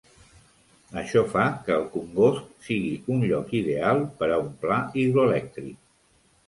Això fa que el congost sigui un lloc ideal per a un pla hidroelèctric.